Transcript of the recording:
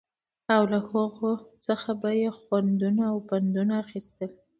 او له هغو څخه به يې خوندونه او پندونه اخيستل